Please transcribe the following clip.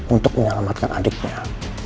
untuk menyelamatkan adiknya